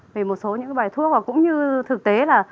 về một số những bài thuốc và cũng như thực tế là